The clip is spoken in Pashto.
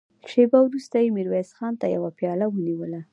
شېبه وروسته يې ميرويس خان ته يوه پياله ونيوله.